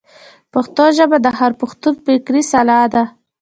پښتو ژبه د هر پښتون فکري سلاح ده.